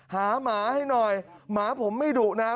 หมาให้หน่อยหมาผมไม่ดุนะ